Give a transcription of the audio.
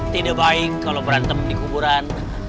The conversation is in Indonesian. tidak baik kalau berantem di kuburan